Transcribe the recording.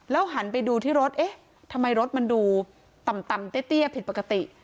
แล้วหันไปดูที่รถเอ๊ะทำไมรถมันดูตำตำเตี้ยเตี้ยผิดปกติ